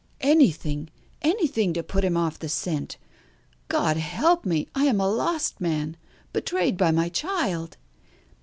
"Anything anything to put him off the scent. God help me, I am a lost man, betrayed by my child!"